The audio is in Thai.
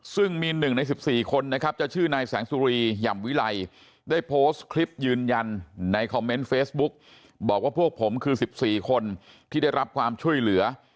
ซึ่งมี๑ใน๑๔คนนะครับจะชื่อนายแสงสุรีหย่ำวิไลได้โพสต์คลิปยืนยันในคอมเมนต์เฟซบุ๊กบอกว่าพวกผมคือ๑๔คนที่ได้รับความช่วยเหลือ